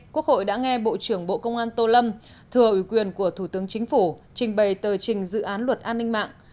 quốc hội đã nghe bộ trưởng bộ công an tô lâm thừa ủy quyền của thủ tướng chính phủ trình bày tờ trình dự án luật an ninh mạng